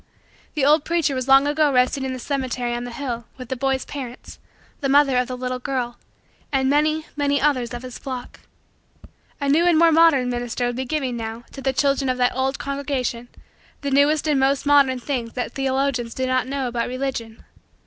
The old preacher was long ago resting in the cemetery on the hill, with the boy's parents, the mother of the little girl, and many, many, others of his flock. A new and more modern minister would be giving, now, to the children of that old congregation, the newest and most modern things that theologians do not know about Religion.